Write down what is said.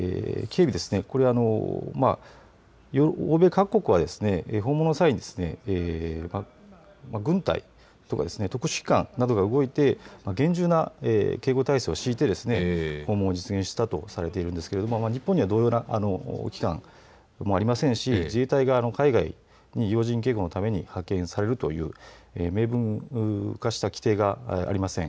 これは欧米各国は訪問の際に軍隊とか特殊機関などが動いて厳重な警護体制を敷いて訪問を実現したとされているんですが日本には同様な機関もありませんし自衛隊が海外に要人警護のために派遣されるという明文化した規定がありません。